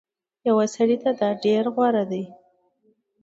يو سړي ته دا ډير غوره ده